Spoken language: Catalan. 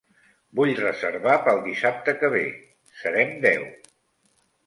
Vull reservar pel dissabte que ve. Serem deu.